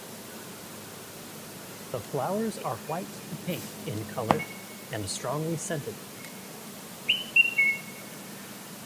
The flowers are white to pink in colour, and strongly scented.